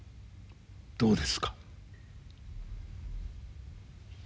どうですか？